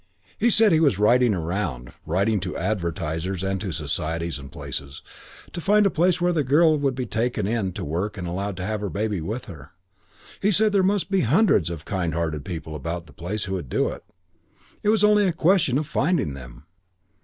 "He said he was writing round, writing to advertisers and to societies and places, to find a place where the girl would be taken in to work and allowed to have her baby with her. He said there must be hundreds of kind hearted people about the place who would do it; it was only a question of finding them.